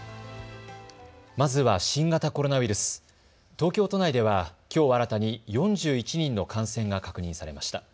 まずは新型コロナウイルス、東京都内では、きょう新たに４１人の感染が確認されました。